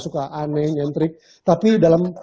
suka aneh nyentrik tapi dalam